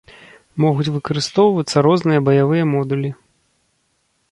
Могуць выкарыстоўвацца розныя баявыя модулі.